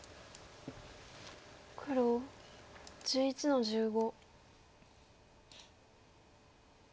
黒１１の十五。